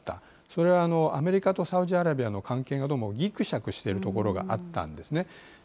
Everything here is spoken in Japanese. それはアメリカとサウジアラビアの関係などもぎくしゃくしているところもあったんですね。